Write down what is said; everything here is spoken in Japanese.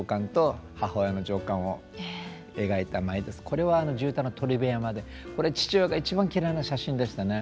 これは地唄の「鳥辺山」でこれ父親が一番嫌いな写真でしたね。